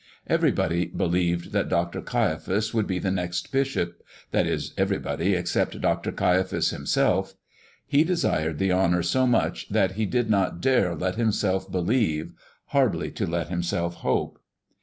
Everybody believed that Dr. Caiaphas would be the next bishop that is, everybody except Dr. Caiaphas himself. He desired the honor so much that he did not dare let himself believe hardly to let himself hope.